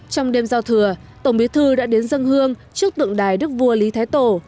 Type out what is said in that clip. trong đêm giao thừa tổng bí thư đã đến dân hương trước tượng đài đức vua lý thái tổ